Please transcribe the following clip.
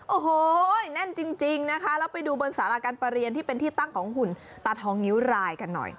โอ้โหแน่นจริงนะคะแล้วไปดูบนสาราการประเรียนที่เป็นที่ตั้งของหุ่นตาทองนิ้วรายกันหน่อย